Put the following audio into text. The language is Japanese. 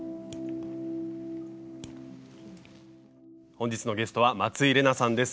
本日のゲストは松井玲奈さんです。